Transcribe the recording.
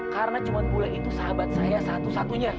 karena cuma bule itu sahabat saya satu satunya